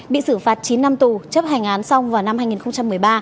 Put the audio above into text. bị xử phạt chín năm tù chấp hành án xong vào năm hai nghìn một mươi ba